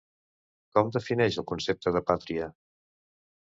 Com defineix el concepte de "pàtria"?